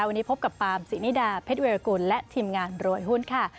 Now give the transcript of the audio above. วันนี้พบกับปามสินิดาเพชรเวรกุลและทีมงานรวยหุ้นค่ะ